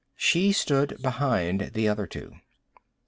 She stood behind the other two.